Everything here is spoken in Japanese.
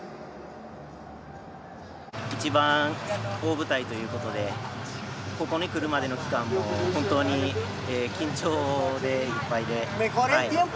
一番大舞台ということでここにくるまでの期間も本当に緊張でいっぱいで。